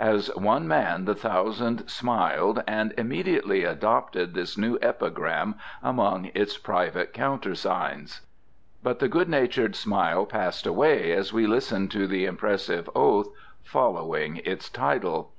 As one man the thousand smiled, and immediately adopted this new epigram among its private countersigns. But the good natured smile passed away as we listened to the impressive oath, following its title.